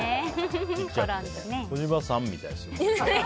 小芝さんみたいですね。